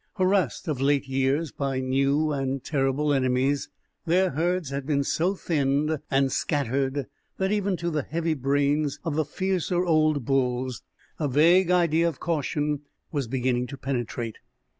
Harassed of late years by new and terrible enemies, their herds had been so thinned and scattered that even to the heavy brains of the fiercer old bulls a vague idea of caution was beginning to penetrate.